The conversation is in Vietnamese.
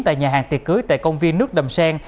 tại nhà hàng tiệc cưới tại công viên nước đầm sen